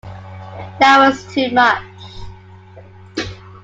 That was too much.